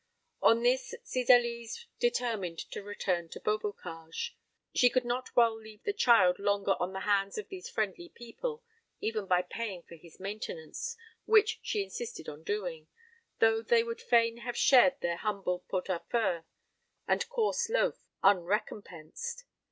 On this Cydalise determined to return to Beaubocage. She could not well leave the child longer on the hands of these friendly people, even by paying for his maintenance, which she insisted on doing, though they would fain have shared their humble pot à feu and coarse loaf with him unrecompensed.